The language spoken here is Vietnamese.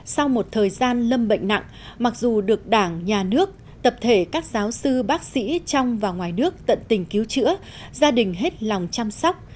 sau một thời gian lâm bệnh nặng mặc dù được đảng nhà nước tập thể các giáo sư bác sĩ trong và ngoài nước tận tình cứu chữa gia đình hết lòng chăm sóc